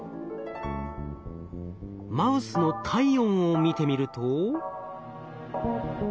マウスの体温を見てみると。